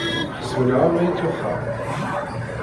Ḥesben-aɣ am ayt uxxam.